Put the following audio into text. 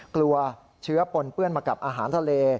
กลัวเชื้อปนเปื้อนมากับอาหารทะเล